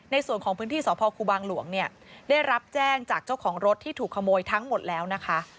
ในพื้นที่สพครูบางหลวงเนี่ยได้รับแจ้งจากเจ้าของรถที่ถูกขโมยทั้งหมดแล้วนะคะ